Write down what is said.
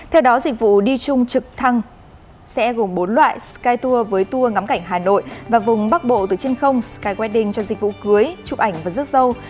theo đó dịch vụ đi chung trực thăng sẽ gồm bốn loại sky tour với tour ngắm cảnh hà nội và vùng bắc bộ từ trên không skywarding cho dịch vụ cưới chụp ảnh và rước dâu